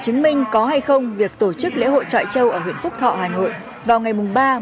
chứng minh có hay không việc tổ chức lễ hội trọi châu ở huyện phúc thọ hà nội vào ngày ba bốn chín hai nghìn một mươi sáu